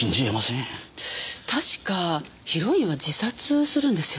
確かヒロインは自殺するんですよね？